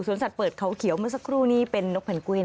สัตว์เปิดเขาเขียวเมื่อสักครู่นี้เป็นนกแพนกวิน